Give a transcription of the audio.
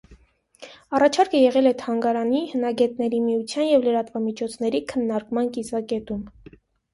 Առաջարկը եղել է թանգարանի, հնագետների միության և լրատվամիջոցների քննարկման կիզակետում։